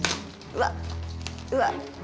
うわっうわっ。